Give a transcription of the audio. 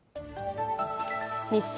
日清